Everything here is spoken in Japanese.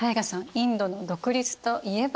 インドの独立といえば？